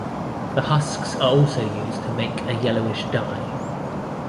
The husks are also used to make a yellowish dye.